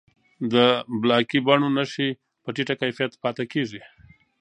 د بلاکي بڼو نښې په ټیټه کیفیت پاتې کېږي.